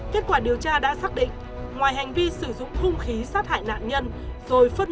kết quả điều tra đã xác định ngoài hành vi sử dụng hung khí sát hại nạn nhân rồi phân